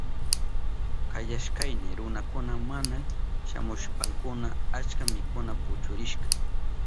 Kayashkayni runakuna mana shamushpankuna achka mikuna puchurishka.